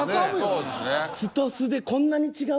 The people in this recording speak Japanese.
そうですね。